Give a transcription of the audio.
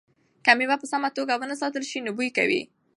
که مېوه په سمه توګه ونه ساتل شي نو بوی کوي.